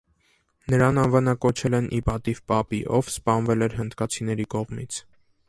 Նրան անվանակոչել են ի պատիվ պապի, ով սպանվել էր հնդկացիների կողմից։